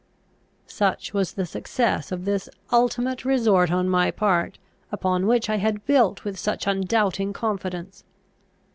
Such was the success of this ultimate resort on my part, upon which I had built with such undoubting confidence.